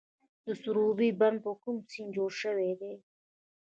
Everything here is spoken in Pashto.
د سروبي بند په کوم سیند جوړ شوی دی؟